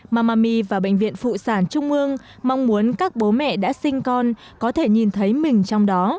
mamami và bệnh viện phụ sản trung mương mong muốn các bố mẹ đã sinh con có thể nhìn thấy mình trong đó